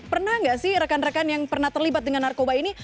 pernah nggak sih rekan rekan yang pernah terlibat dengan narkoba ini